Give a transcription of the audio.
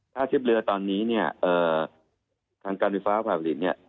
ท่าเทียบเรือตอนนี้เนี่ย